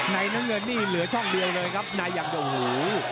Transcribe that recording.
ในน้องเงินนี่เหลือช่องเดียวเลยครับในอย่างเดียวหู